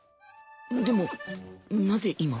でもなぜ今？